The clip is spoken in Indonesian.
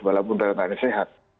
walaupun rakyatnya sehat